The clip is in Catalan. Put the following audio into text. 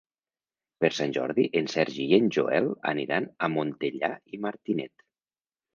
Per Sant Jordi en Sergi i en Joel aniran a Montellà i Martinet.